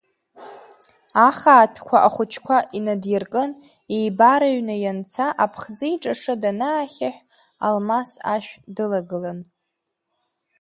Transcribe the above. Ахаатәқәа ахәыҷқәа инадиркын, еибарҩны ианца, аԥхӡы иҿашы данаахьаҳә, Алмас ашә дылагылан.